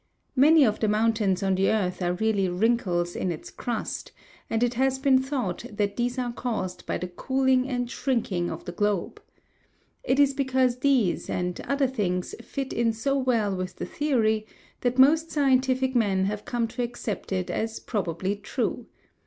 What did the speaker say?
Many of the mountains on the earth are really wrinkles in its crust, and it has been thought that these are caused by the cooling and shrinking of the globe. It is because these and other things fit in so well with the theory that most scientific men have come to accept it as probably true.